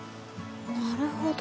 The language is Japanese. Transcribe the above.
なるほど。